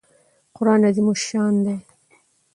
قران عظیم الشان دئ.